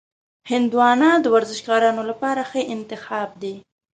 هندوانه د ورزشکارانو لپاره ښه انتخاب دی.